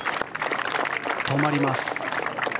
止まります。